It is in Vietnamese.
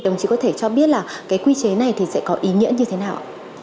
đồng chí có thể cho biết là quy chế này sẽ có ý nghĩa như thế nào